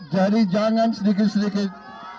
jadi jangan sedikit sedikit